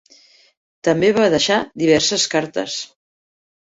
També va deixar diverses cartes.